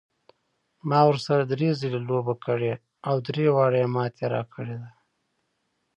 ما ورسره درې ځلې لوبه کړې او درې واړه یې مات کړی یم.